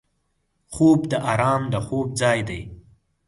خوب د آرام د خوب ځای دی